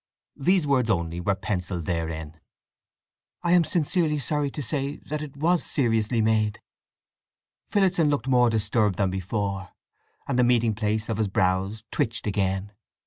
These words only were pencilled therein: I am sincerely sorry to say that it was seriously made. Phillotson looked more disturbed than before, and the meeting place of his brows twitched again.